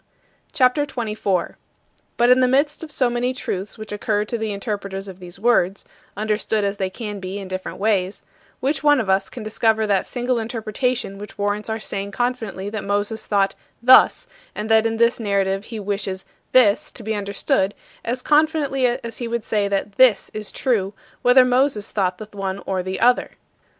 CHAPTER XXIV 33. But in the midst of so many truths which occur to the interpreters of these words (understood as they can be in different ways), which one of us can discover that single interpretation which warrants our saying confidently that Moses thought thus and that in this narrative he wishes this to be understood, as confidently as he would say that this is true, whether Moses thought the one or the other.